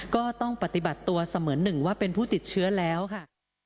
ก็ต้องปฏิบัติตัวเสมือนหนึ่งว่าเป็นผู้ติดเชื้อแล้วค่ะ